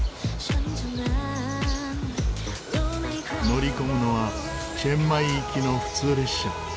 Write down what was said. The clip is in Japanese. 乗り込むのはチェンマイ行きの普通列車。